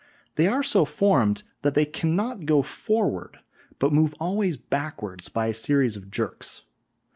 They are so formed that they cannot go forward, but move always backward by a series of jerks.